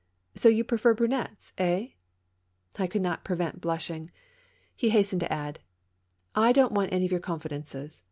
So you prefer brunettes, eh ?'' I could not prevent blushing. He hastened to add :" I don't want any of your confidances.